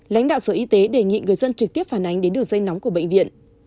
lãnh đạo sở y tế đề nghị người dân trực tiếp phản ánh đến đường dây nóng của bệnh viện